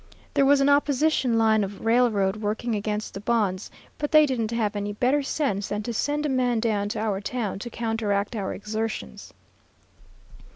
There was an opposition line of railroad working against the bonds, but they didn't have any better sense than to send a man down to our town to counteract our exertions.